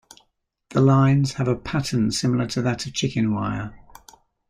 The lines have a pattern similar to that of chicken wire.